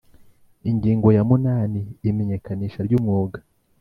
Ingingo ya munani Imenyekanisha ry umwuga